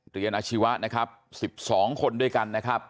อาชีวะนะครับ๑๒คนด้วยกันนะครับ